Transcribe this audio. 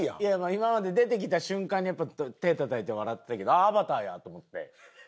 今まで出てきた瞬間に手たたいて笑ってたけど『アバター』や！と思って。